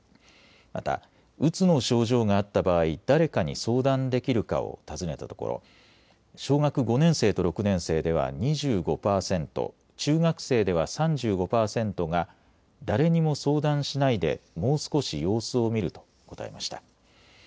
また、うつの症状があった場合、誰かに相談できるかを尋ねたところ小学５年生と６年生では２５％、中学生では３５％が誰にも相談しないでもう少し様子を見ると答えました。